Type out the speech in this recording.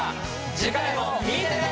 次回も見てね。